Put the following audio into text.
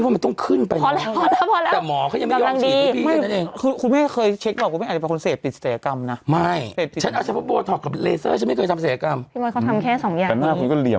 บอกไอ้ด้าไปดึงไหมกลับอะไรอย่างเงี้ย